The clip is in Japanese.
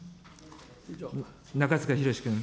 中司宏君。